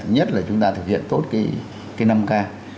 nhất là chúng ta thực hiện tốt cái năm k